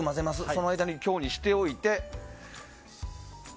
その間に強にしておいて。